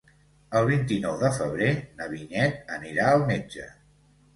El vint-i-nou de febrer na Vinyet anirà al metge.